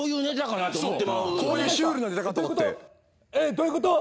どういうこと？